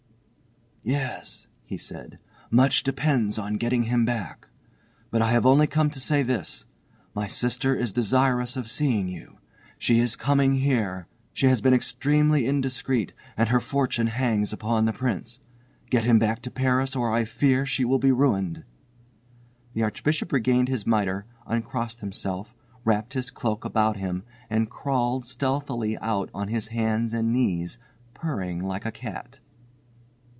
"Yes," he said, "much depends on getting him back. But I have only come to say this: my sister is desirous of seeing you. She is coming here. She has been extremely indiscreet and her fortune hangs upon the Prince. Get him back to Paris or I fear she will be ruined." The Archbishop regained his mitre, uncrossed himself, wrapped his cloak about him, and crawled stealthily out on his hands and knees, purring like a cat.